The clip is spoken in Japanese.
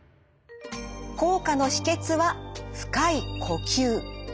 効果の秘けつは深い呼吸。